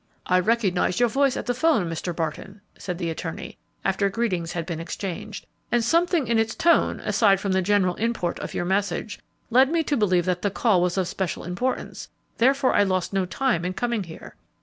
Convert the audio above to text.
"I recognized your voice at the 'phone, Mr. Barton," said the attorney, after greetings had been exchanged, "and something in its tone, aside from the general import of your message, led me to believe that the call was of special importance, therefore I lost no time in coming here."